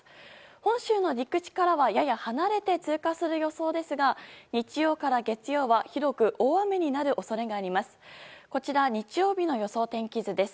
本州の陸地からはやや離れて通過する予想ですが日曜から月曜は広く大雨になる恐れがあります。